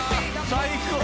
最高！